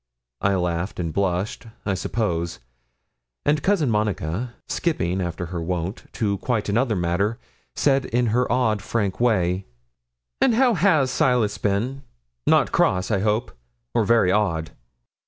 I laughed and blushed, I suppose; and Cousin Monica, skipping after her wont to quite another matter, said in her odd frank way 'And how has Silas been? not cross, I hope, or very odd.